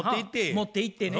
持っていってね